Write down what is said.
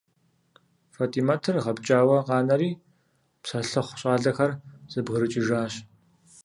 ФатӀимэтыр гъэпкӀауэ къанэри, псэлъыхъу щӀалэхэр зэбгрыкӀыжащ.